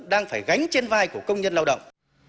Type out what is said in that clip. đang phải gánh trên vai của công nhân lao động